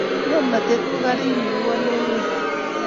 ngomnatet ko karik nekiwalee ngueny